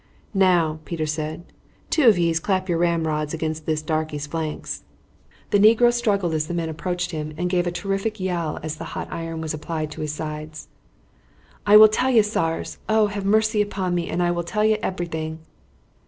"Now," Peter said, "two of yez clap your ramrods against this darky's flanks." The negro struggled as the men approached him, and gave a terrific yell as the hot iron was applied to his sides. "I will tell you, sars oh! have mercy upon me and I will tell you eberything!"